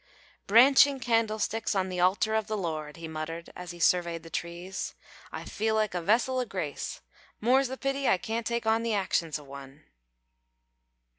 "Branching candlesticks on the altar of the Lord," he muttered as he surveyed the trees. "I feel like a vessel o' grace, more's the pity I can't take on the actions o' one."